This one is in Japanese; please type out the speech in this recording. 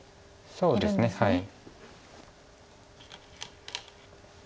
そうですねはい。